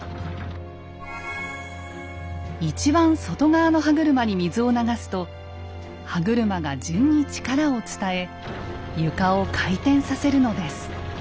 一番外側の歯車に水を流すと歯車が順に力を伝え床を回転させるのです。